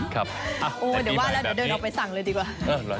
ครับในปีใหม่แบบนี้เดี๋ยวว่าเดินออกไปสั่งเลยดีกว่า